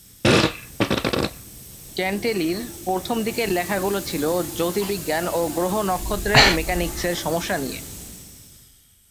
ক্যান্টেলির প্রথম দিকের লেখাগুলো ছিল জ্যোতির্বিজ্ঞান ও গ্রহ-নক্ষত্রের মেকানিক্সের সমস্যা নিয়ে।